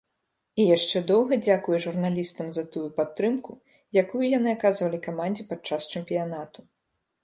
І яшчэ доўга дзякуе журналістам за тую падтрымку, якую яны аказвалі камандзе падчас чэмпіянату.